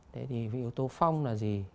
thế thì yếu tố phong là gì